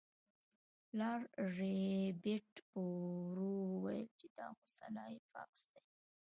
پلار ربیټ په ورو وویل چې دا خو سلای فاکس دی